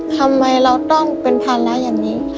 ทำไมเราต้องเป็นภาระอย่างนี้